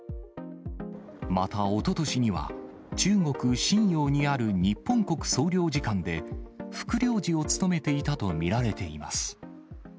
また、おととしには、中国・瀋陽にある日本国総領事館で副領事を務めていたと見られています。